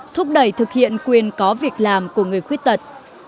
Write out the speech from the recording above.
thúc đẩy thực hiện quyền có việc làm của người khuyết tật